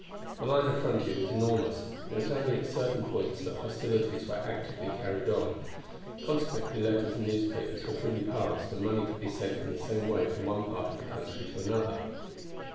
The line of frontier was enormous, and it was only at certain points that hostilities, were actively carried on; consequently letters and newspapers were freely passed, and money could be sent in the same way from one part of the country to another.